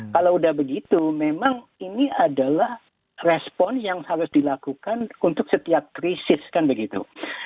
kalau udah begitu memang ini adalah respon yang harus dilakukan untuk setiap krisis kan begitu